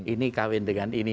ini kawin dengan ini